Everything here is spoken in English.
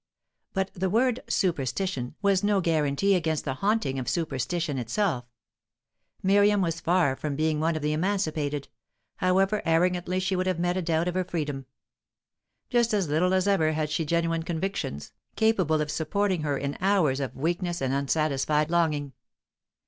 But the word "superstition" was no guarantee against the haunting of superstition itself. Miriam was far from being one of the emancipated, however arrogantly she would have met a doubt of her freedom. Just as little as ever had she genuine convictions, capable of supporting her in hours of weakness and unsatisfied longing.